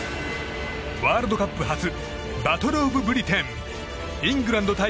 ワールドカップ初バトル・オブ・ブリテンイングランド対